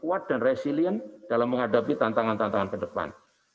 kuat dan resilient dalam menghadapi tantangan tantangan ke depan